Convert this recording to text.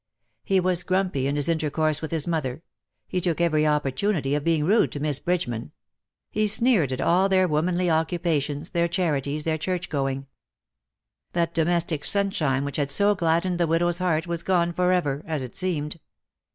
He was grumpy in his intercourse with his mother ; he took every opportunity of being rude to Miss Bridgeman ; he sneered at all their womanly occupations, their charities, their church going. That domestic sunshine which had so gladdened the widow^s heart, was gone for ever, as it seemed.